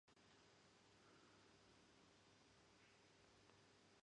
ئەم دونیا ئەڕوا عالەمێتر دێ